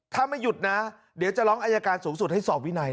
ถ้าไม่หยุดนะเดี๋ยวจะร้องอายการสูงสุดให้สอบวินัย